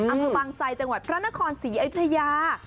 อำเภอบางไซจังหวัดพระนครศรีอยุธยา